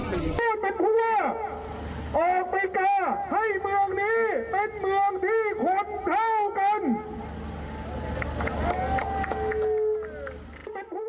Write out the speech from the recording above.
เป็นเมืองที่คนเท่ากัน